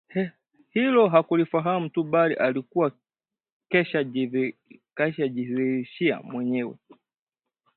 Hilo, hakulifahamu tu bali alikuwa keshajidhihirishia mwenyewe